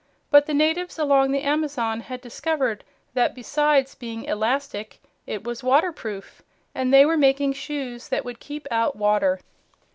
But the natives along the Amazon had discovered that besides being elastic it was waterproof, and they were making shoes that would keep out water.